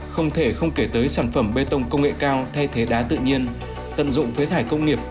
không thể không kể tới sản phẩm bê tông công nghệ cao thay thế đá tự nhiên